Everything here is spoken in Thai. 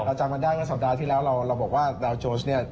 เราจำเป็นเวลาที่เราเราบอกว่าดาวน์โจรสเนี่ย